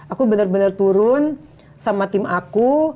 aku bener bener turun sama tim aku